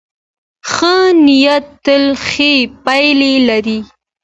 ښه نیت تل ښې پایلې لري.